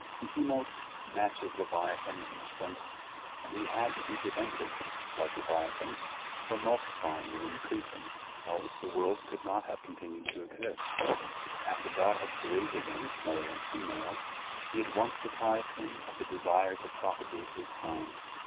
Behemot matches leviathan in strength, and he had to be prevented, like leviathan, from multiplying and increasing, else the world could not have continued to exist; after God had created him male and female, He at once deprived him of the desire to propagate his kind.